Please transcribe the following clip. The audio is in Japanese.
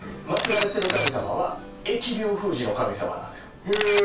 祀られてる神様は疫病封じの神様なんですよへえ